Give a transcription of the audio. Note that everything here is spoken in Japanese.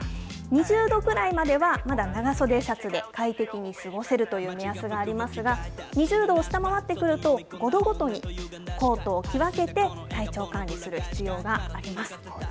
２０度くらいまでは、まだ長袖シャツで快適に過ごせるという目安がありますが、２０度を下回ってくると、５度ごとにコートを着分けて、体調管理する必要があります。